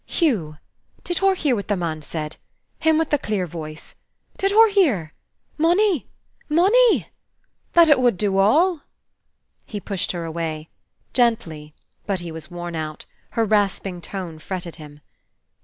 "Hugh, did hur hear what the man said, him with the clear voice? Did hur hear? Money, money, that it wud do all?" He pushed her away, gently, but he was worn out; her rasping tone fretted him.